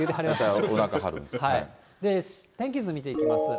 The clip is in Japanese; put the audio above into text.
天気図見ていきます。